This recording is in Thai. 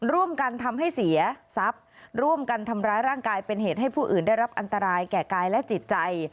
ร่วมกันทำให้เสียทรัพย์ร่วมกันทำร้ายร่างกายเป็นเหตุให้ผู้อื่นได้รับอันตรายแก่กายและจิตใจ